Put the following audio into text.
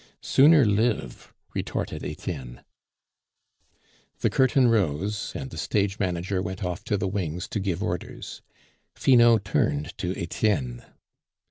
"Sooner live," retorted Etienne. The curtain rose, and the stage manager went off to the wings to give orders. Finot turned to Etienne.